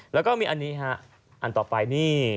แล้วก็มีอันนี้ฮะอันต่อไปนี่